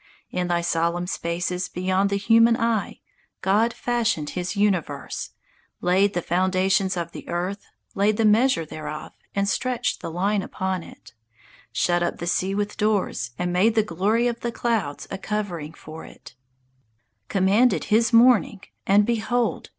In thy solemn spaces, beyond the human eye, God fashioned His universe; laid the foundations of the earth, Laid the measure thereof, and stretched the line upon it; Shut up the sea with doors, and made the glory Of the clouds a covering for it; Commanded His morning, and, behold!